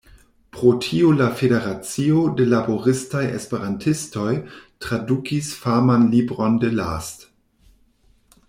Pro tio la Federacio de Laboristaj Esperantistoj tradukis faman libron de Last.